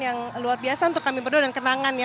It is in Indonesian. yang luar biasa untuk kami berdua dan kenangan ya